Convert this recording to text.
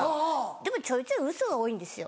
でもちょいちょいウソが多いんですよ。